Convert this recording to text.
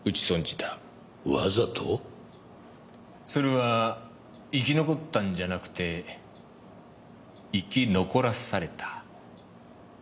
鶴は生き残ったんじゃなくて生き残らされた。